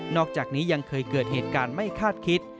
อกจากนี้ยังเคยเกิดเหตุการณ์ไม่คาดคิด